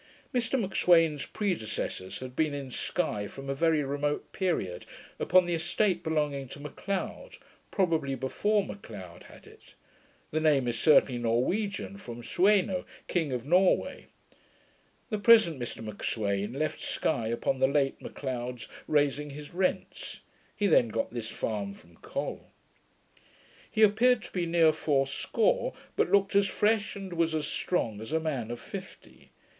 Mr M'Sweyn's predecessors had been in Sky from a very remote period, upon the estate belonging to M'Leod; probably before M'Leod had it. The name is certainly Norwegian, from Sueno, King of Norway. The present Mr M'Sweyn left Sky upon the late M'Leod's raising his rents. He then got this farm from Col. He appeared to be near fourscore; but looked as fresh, and was as strong as a man of fifty.